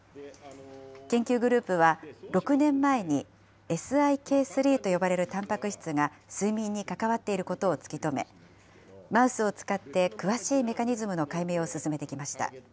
研究グループは、６年前にＳＩＫ３と呼ばれるたんぱく質が睡眠に関わっていることを突き止め、マウスを使って詳しいメカニズムの解明を進めてきました。